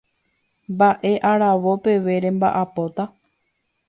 Mba'e aravo peve remba'apóta.